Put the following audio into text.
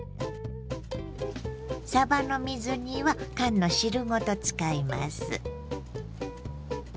さばの水煮は缶の汁ごと使います。